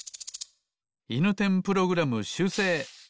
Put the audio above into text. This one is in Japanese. いぬてんプログラムしゅうせい。